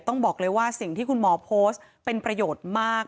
ต้องบอกเลยว่าสิ่งที่คุณหมอโพสต์เป็นประโยชน์มาก